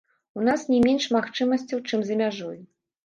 У нас не менш магчымасцяў, чым за мяжой.